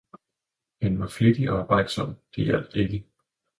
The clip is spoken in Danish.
han var flittig og arbejdsom, det hjalp ikke.